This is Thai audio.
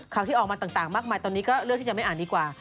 ที่ออกมาต่างมากมายตอนนี้ก็เลือกที่จะไม่อ่านดีกว่า